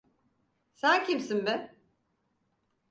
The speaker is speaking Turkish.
Sen kimsin be?